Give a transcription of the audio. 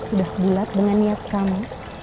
sudah bulat dengan niat kamu